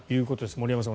森山さん